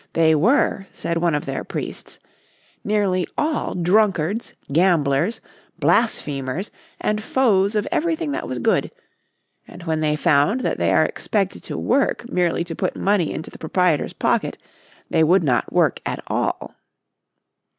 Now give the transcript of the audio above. They were, said one of their priests, "nearly all drunkards, gamblers, blasphemers and foes of everything that was good," and when they found that they are expected to work merely to put money into the proprietor's pocket they would not work at all.